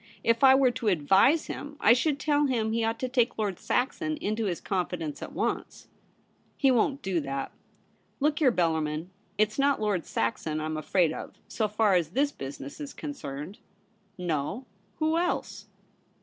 If I were to advise him, I should tell him he ought to take Lord Saxon into his confidence at once.' ' He won't do that. Look here, Bellarmin, it's not Lord Saxon I'm afraid of, so far as this business is concerned.' ' No. Who else